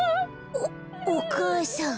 おお母さん。